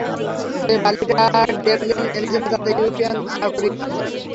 যে বালিটা ডেভলিন এনেছিল তাতে ইউরেনিয়াম আকরিক আছে।